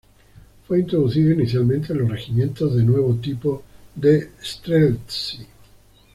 Fue introducido inicialmente en los Regimientos de Nuevo Tipo de "streltsí".